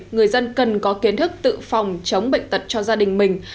người dân cần có kiến thức tự phòng chống bệnh tật cho gia đình mình